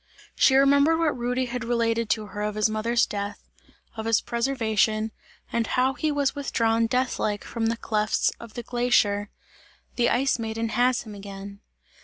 She remembered what Rudy had related to her of his mother's death, of his preservation, and how he was withdrawn death like, from the clefts of the glacier. "The Ice Maiden has him again!"